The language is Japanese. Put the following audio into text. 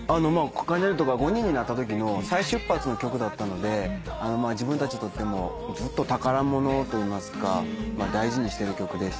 関ジャニ∞が５人になったときの再出発の曲だったので自分たちにとってもずっと宝物といいますか大事にしてる曲でして。